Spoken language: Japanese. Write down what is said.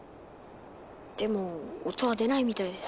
でも音は出ないみたいです。